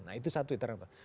nah itu satu itara